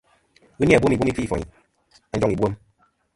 Ghɨ ni-a bwem ibwem i kfi'foyn a njoŋ ìbwem.